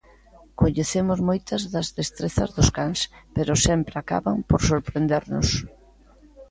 Coñecemos moitas das destrezas dos cans, pero sempre acaban por sorprendernos.